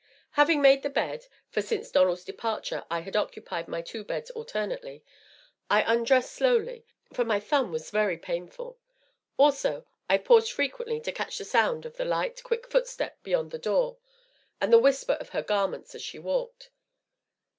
Having made the bed (for since Donald's departure I had occupied my two beds alternately) I undressed slowly, for my thumb was very painful; also I paused frequently to catch the sound of the light, quick footstep beyond the door, and the whisper of her garments as she walked.